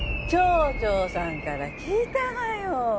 町長さんから聞いたがよ